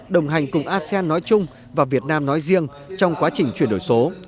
đồng hành cùng asean nói chung và việt nam nói riêng trong quá trình chuyển đổi số